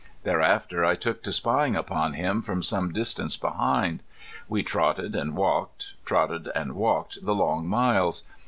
Thereafter I took to spying upon him from some distance behind. We trotted and walked, trotted and walked the long miles.